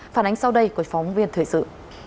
phản ánh sau đây của phóng viên thời sự